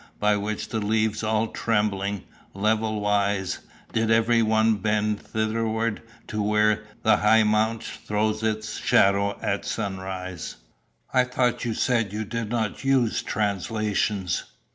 By which the leaves all trembling, level wise, Did every one bend thitherward to where The high mount throws its shadow at sunrise." "I thought you said you did not use translations?"